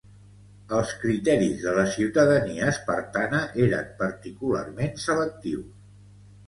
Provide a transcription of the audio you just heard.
Els criteris de la ciutadania espartana eren particularment selectius.